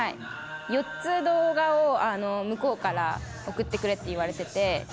４つ動画を向こうから送ってくれって言われてて。